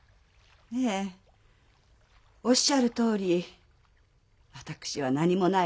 ええおっしゃるとおり私は何もない女です。